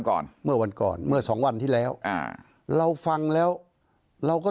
ก่อนเมื่อวันก่อนเมื่อสองวันที่แล้วอ่าเราฟังแล้วเราก็